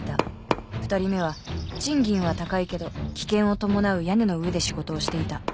２人目は賃金は高いけど危険を伴う屋根の上で仕事をしていた。